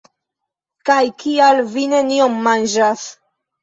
Kaj kial vi nenion manĝas?